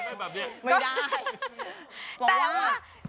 ไม่ได้